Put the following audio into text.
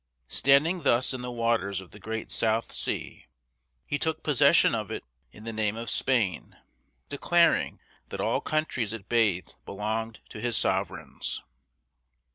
Standing thus in the waters of the Great South Sea, he took possession of it in the name of Spain, declaring that all the countries it bathed belonged to his sovereigns.